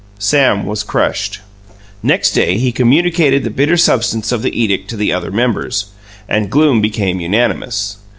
Sam was crushed. Next day he communicated the bitter substance of the edict to the other members, and gloom became unanimous.